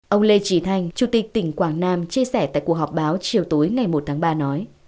ông lê trí thanh chủ tịch tỉnh quảng nam chia sẻ tại cuộc họp báo chiều tối ngày một tháng ba nói